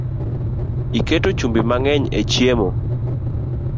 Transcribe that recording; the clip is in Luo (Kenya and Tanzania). Iketo chumbi mangeny e chiemo